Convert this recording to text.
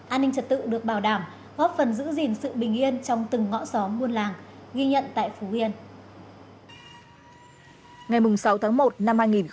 an ninh trật tự được bảo đảm góp phần giữ gìn sự bình yên trong từng ngõ xóm buôn làng ghi nhận tại phú yên